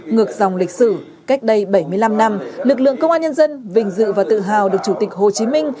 ngược dòng lịch sử cách đây bảy mươi năm năm lực lượng công an nhân dân vinh dự và tự hào được chủ tịch hồ chí minh